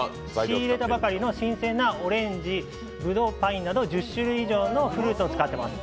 仕入れたばかりの新鮮なオレンジぶどうパインなど１０種類以上のフルーツを使っています。